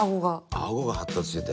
あごが発達してて？